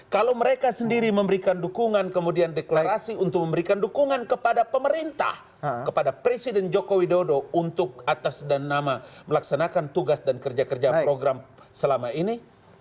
kalau mereka sendiri memberikan dukungan kemudian deklarasi untuk memberikan dukungan kepada pemerintah kepada presiden joko widodo untuk atas dan nama melaksanakan tugas dan kerja kerja program selama ini